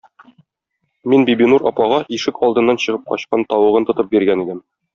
Мин Бибинур апагы ишек алдыннан чыгып качкан тавыгын тотып биргән идем.